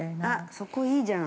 ◆そこ、いいじゃん。